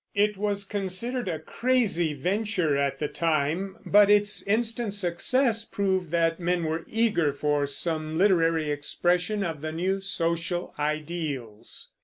It was considered a crazy venture at the time, but its instant success proved that men were eager for some literary expression of the new social ideals.